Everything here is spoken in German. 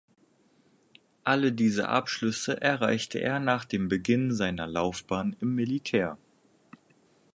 Alle diese Abschlüsse erreichte er nach dem Beginn seiner Laufbahn im Militär.